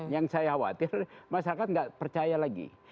yang saya khawatir masyarakat tidak percaya lagi